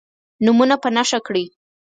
نومونه په نښه کړئ.